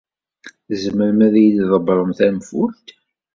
Tzemrem ad iyi-d-tḍebbrem tanfult?